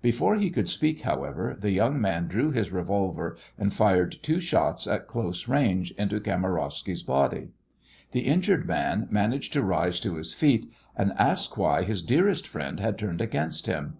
Before he could speak, however, the young man drew his revolver and fired two shots at close range into Kamarowsky's body. The injured man managed to rise to his feet and ask why his dearest friend had turned against him.